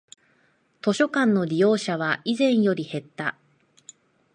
図書館の利用者は以前より減った